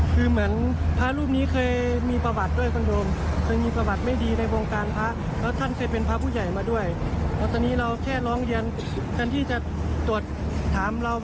กระสานให้เราย้ายวัดอย่างเดียว